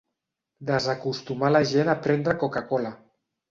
Desacostumar la gent a prendre Coca-cola.